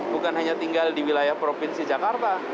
bukan hanya tinggal di wilayah provinsi jakarta